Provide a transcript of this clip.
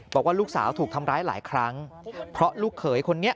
บอกว่าลูกสาวถูกทำร้ายหลายครั้งเพราะลูกเขยคนนี้